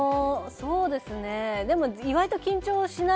意外と緊張しない。